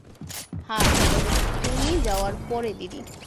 হ্যাঁঁ, তবে তুমি যাওয়ার পরে, দিদি।